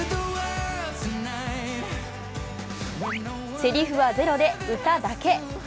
せりふはゼロで、歌だけ。